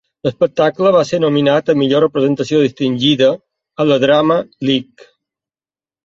L'espectacle va ser nominat a "millor representació distingida" a la Drama League.